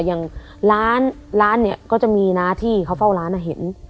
อย่างร้านร้านเนี่ยก็จะมีนะที่เขาเฝ้าร้านเห็น